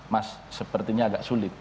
mas sepertinya agak sulit